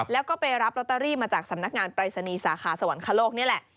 แล้วก็ไปรับลอตเตอรี่มาจากสำนักงานปรายศนีย์สาขาสวรรคโลกนี่แหละ